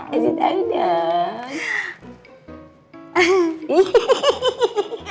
kasih tau dong